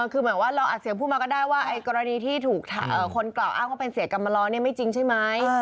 คือหมายว่าเราอัดเสียงพูดมาก็ได้ว่ากรณีที่ถูกคนกล่าวอ้างว่าเป็นเสียกรรมล้อไม่จริงใช่ไหม